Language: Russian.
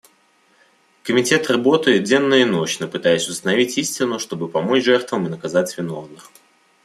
Комитет работает денно и нощно, пытаясь установить истину, чтобы помочь жертвам и наказать виновных.